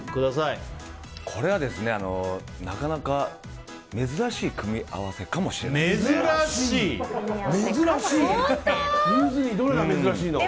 これは、なかなか珍しい組み合わせかもしれません。